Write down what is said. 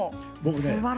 僕ね